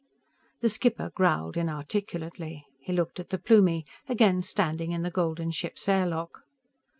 The skipper growled inarticulately. He looked at the Plumie, again standing in the golden ship's air lock.